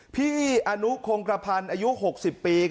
พี่อนุคงกระพันธ์อายุ๖๐ปี